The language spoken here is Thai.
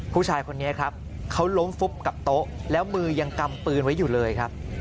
ผู้ชายคนนี้ครับเขาล้มฟุบกับโต๊ะแล้วมือยังกำปืนไว้อยู่เลยครับ